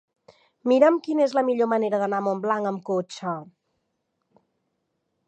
Mira'm quina és la millor manera d'anar a Montblanc amb cotxe.